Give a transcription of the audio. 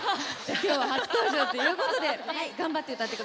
今日は初登場ということで頑張って歌って下さいね。